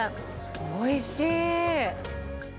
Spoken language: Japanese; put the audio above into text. おいしい。